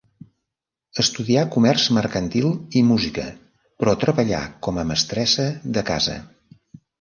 Estudià comerç mercantil i música, però treballà com a mestressa de casa.